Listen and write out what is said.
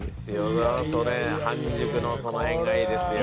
うわっそれ半熟のその辺がいいですよ。